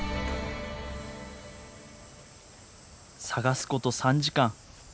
探すこと３時間。